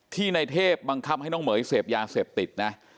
ในเทพบังคับให้น้องเหม๋ยเสพยาเสพติดนะ